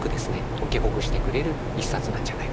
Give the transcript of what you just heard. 解きほぐしてくれる一冊なんじゃないかなと。